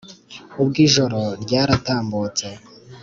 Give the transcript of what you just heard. ubwo ijoro ryaratambutse